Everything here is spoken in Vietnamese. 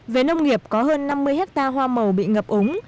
về nông nghiệp có hơn năm mươi hectare hoa màu bị ngập úng